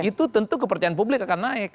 itu tentu kepercayaan publik akan naik